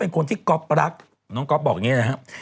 คนที่ก๊อฟรักน้องก๊อฟบอกอย่างนี้นะครับ